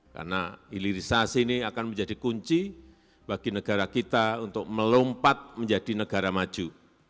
karena ilirisasi ini akan menjadi kunci bagi negara kita untuk melompat menjadi negara maju